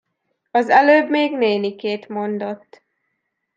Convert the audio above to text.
Az előbb még nénikét mondott.